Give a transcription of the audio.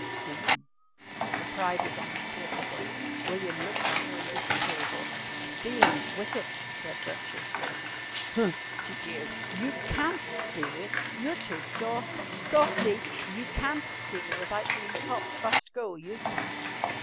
"Stealin'." Her pride was unmistakable. William looked at her in disapproval. "Stealin's wicked," he said virtuously. "Huh!" she jeered, "you can't steal! You're too soft! Softie! You can't steal without bein' copped fust go, you can't."